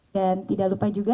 dan tidak lupa juga